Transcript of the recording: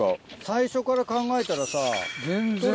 最初から考えたらさ。